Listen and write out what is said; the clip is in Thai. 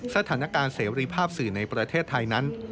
สถานการณ์เสรีภาพสื่อในประเทศไทยนั้น